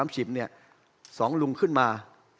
สองลุงขึ้นมา๓๕